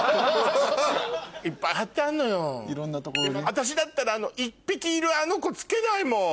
私だったら１匹いるあの子つけないもん！